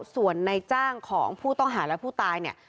ส่วนในจ้างของผู้ต้องหาและผู้ตายเนี่ย